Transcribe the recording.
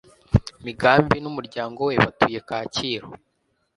Migambi n'umuryango we batuye Kacyiru